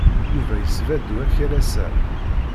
Yuba isbadu akalas-a.